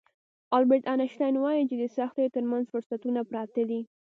البرټ انشټاين وايي چې د سختیو ترمنځ فرصتونه پراته دي.